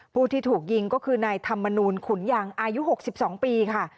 ผู้ที่ถูกยิงก็คือนายธรรมนูลขุนยังอายุ๖๒ปีค่ะ